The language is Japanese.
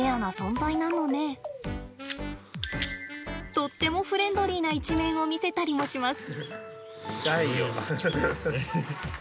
とってもフレンドリーな一面を見せたりもします。